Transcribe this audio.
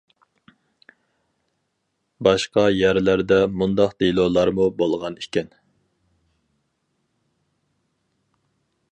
باشقا يەرلەردە مۇنداق دېلولارمۇ بولغان ئىكەن.